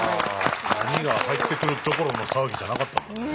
波が入ってくるどころの騒ぎじゃなかったんだね。